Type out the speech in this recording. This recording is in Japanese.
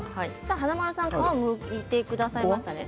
華丸さん皮をむいてくださいましたね。